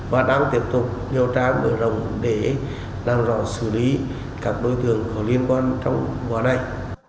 và đang tiếp tục điều tra mở rộng để làm rõ xử lý các đối tượng có liên quan trong vụ án này